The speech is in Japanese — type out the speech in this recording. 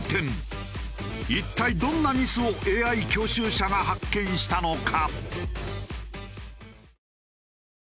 一体どんなミスをＡＩ教習車が発見したのか？